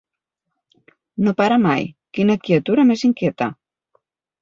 No para mai: quina criatura més inquieta!